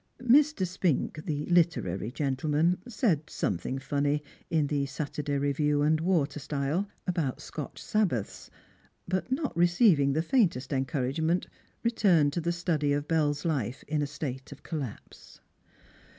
Mr. Spink, the literary gentleman, said some thing funny, in the Saittr<iay Beuiet<; and water style, about Scotch Sabbaths, but, not receiving the faintest encourage ment, returned to the study of JielVs Life in a state of collapse.